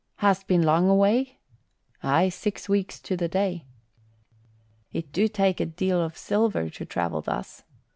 "Hast been long away?" "Aye, six weeks to the day." "It do take a deal of silver to travel thus."